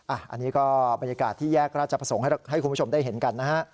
อันนี้ก็บรรยากาศที่แยกราชประสงค์ให้คุณผู้ชมได้เห็นกันนะฮะ